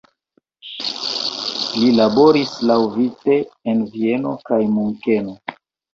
Li laboris laŭvice en Vieno kaj Munkeno.